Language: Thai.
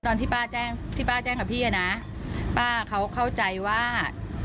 ตอนที่ป้าแจ้งที่ป้าแจ้งกับพี่อ่ะนะป้าเขาเข้าใจว่า